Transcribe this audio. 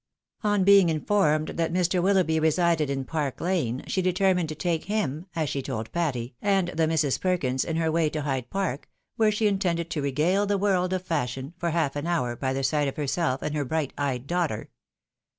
On being informed that Mr. Willoughbyresided in Park lane, she determined to "take him," as she told Patty, and the Misses Perkins, in her way to Hyde Park, where she intended to regale the world of fashion for half an hour by the sight of herself and her bright eyed daughter.